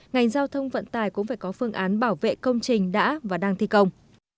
ngành giao thông vận tài cũng phải có phương án bảo vệ công trình đã và đang thi công